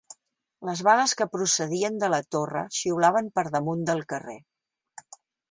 Les bales que procedien de la torre xiulaven per damunt del carrer